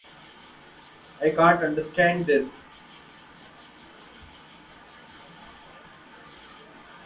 اور جنس کی بنیاد پر امتیاز کے خلاف جدوجہد کرتی ہے